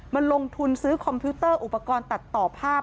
ลงทุนซื้อคอมพิวเตอร์อุปกรณ์ตัดต่อภาพ